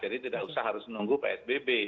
jadi tidak usah harus menunggu psbb